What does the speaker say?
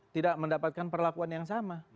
tidak mendapatkan perlakuan yang sama